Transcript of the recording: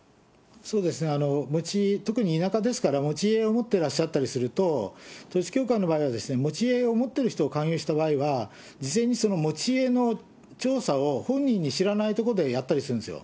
そうですね、特に田舎ですから、持ち家、統一教会の場合は持ち家を持ってる人を勧誘した場合は、事前にその持ち家の調査を本人に知らないところでやったりするんですよ。